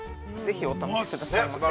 ◆ぜひ、お試しくださいませ。